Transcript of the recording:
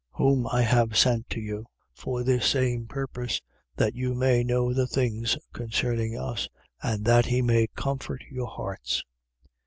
Whom I have sent to you for this same purpose: that you may know the things concerning us, and that he may comfort your hearts.